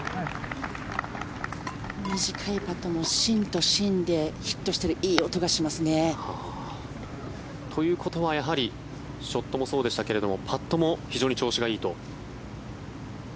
短いパットも芯と芯でヒットしたらいい音がしますね。ということはやはりショットもそうでしたがパットも非常に調子がいいと。